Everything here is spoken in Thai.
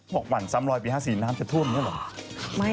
บอกหวั่นซ้ำรอยปี๕สี่น้ำจะท่วมได้หรือ